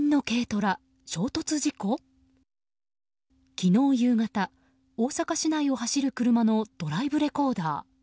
昨日夕方、大阪市内を走る車のドライブレコーダー。